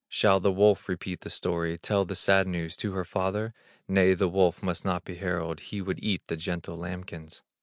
Shall the wolf repeat the story, Tell the sad news to her father? Nay, the wolf must not be herald, He would eat the gentle lambkins.